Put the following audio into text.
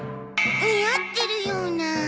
似合ってるような。